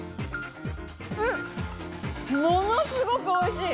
ものすごくおいしい！